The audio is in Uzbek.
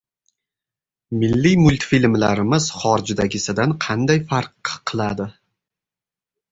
Milliy multfilmlarimiz xorijdagisidan qanday farq qiladi